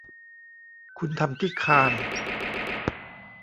คุณทำที่คานส์